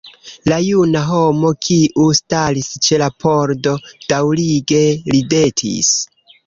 La juna homo, kiu staris ĉe la pordo, daŭrige ridetis.